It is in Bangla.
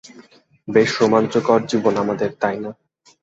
বেশ রোমাঞ্চকর জীবন আমাদের, তাইনা?